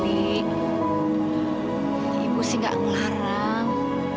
ibu sih gak ngelarang